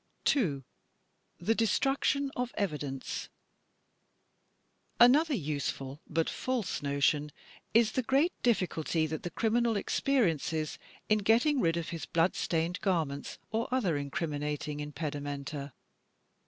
2, The DestriicHon of Evidence Another useful but false notion is the great diflSculty that the criminal experiences in getting rid of his blood stained garments or other incriminating impedimenta.